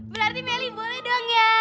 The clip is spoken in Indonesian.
berarti melly boleh dong ya